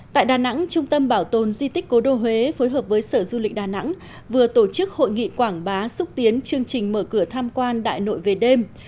tại đà nẵng trung tâm bảo tồn di tích cố đô huế phối hợp với sở du lịch đà nẵng vừa tổ chức hội nghị quảng bá xúc tiến chương trình mở cửa tham quan đại nội về đêm